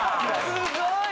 すごい。